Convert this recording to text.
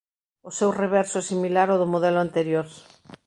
O seu reverso é similar ao do modelo anterior.